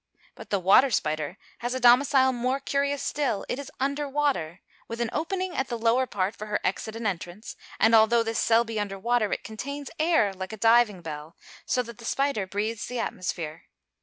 But the water spider has a domicile more curious still: it is under water, with an opening at the lower part for her exit and entrance; and although this cell be under water, it contains air like a diving bell, so that the spider breathes the atmosphere.